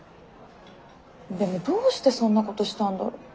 でもどうしてそんなことしたんだろ。